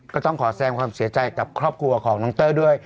ก็ต้องขอแสงความเสียใจกับครอบครัวของน้องเตอร์ด้วย